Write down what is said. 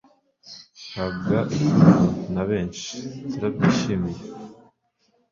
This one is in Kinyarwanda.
habwa ikuzo na benshi. turabyishimiye